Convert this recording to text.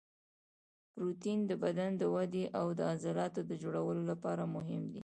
پروټین د بدن د ودې او د عضلاتو د جوړولو لپاره مهم دی